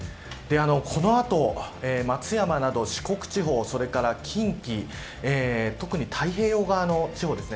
この後、松山など四国地方それから近畿特に太平洋側の地方ですね。